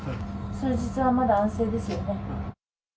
数日はまだ安静ですよね。